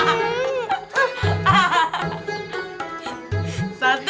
aduh aduh aduh